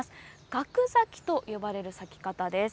額咲きと呼ばれる咲き方です。